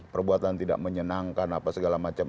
perbuatan tidak menyenangkan apa segala macam